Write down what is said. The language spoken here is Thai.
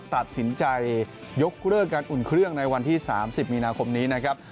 ตัดสินใจยกเลิกการอุ่นเครื่องในวันที่๓๐มีนาคมนี้นะครับ